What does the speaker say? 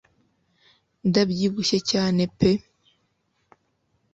ndabyibushye cyane peuh